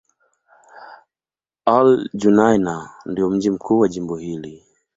Al-Junaynah ndio mji mkuu wa jimbo hili.